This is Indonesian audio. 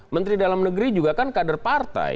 menteri dalam negeri juga kan kader partai